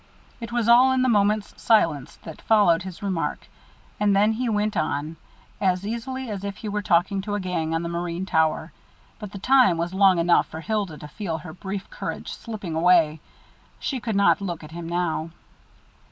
It was all in the moment's silence that followed his remark; then he went on, as easily as if he were talking to a gang on the marine tower but the time was long enough for Hilda to feel her brief courage slipping away. She could not look at him now.